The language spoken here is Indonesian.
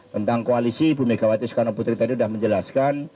tentang koalisi ibu megawati soekarno putri tadi sudah menjelaskan